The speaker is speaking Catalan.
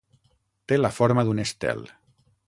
Té la forma d'un estel.